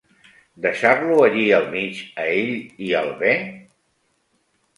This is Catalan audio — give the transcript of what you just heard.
Deixar-lo allí al mig a ell i al bé?